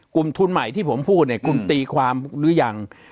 กลุ่มทุนใหม่ที่ผมพูดเนี่ยคุณตีความหรือยัง